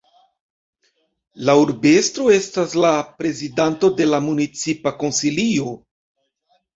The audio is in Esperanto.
La urbestro estas la prezidanto de la Municipa Konsilio.